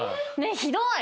ひどい。